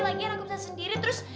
lagian aku bisa sendiri terus